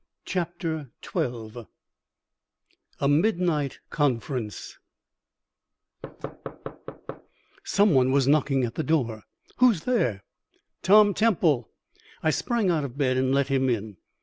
CHAPTER XII A MIDNIGHT CONFERENCE Some one was knocking at the door. "Who's there?" "Tom Temple." I sprang out of bed and let him in.